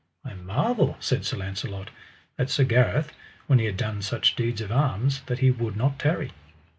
I marvel, said Sir Launcelot, that Sir Gareth, when he had done such deeds of arms, that he would not tarry.